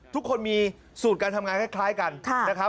ทุกคนมีสูตรการทำงานคล้ายกันนะครับ